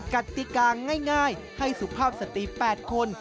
กัติการง่ายให้สุภาพสตรีแปดคน